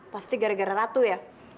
pasti gara gara ratu ya